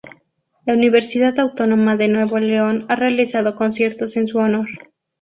La Universidad Autónoma de Nuevo León ha realizado conciertos en su honor.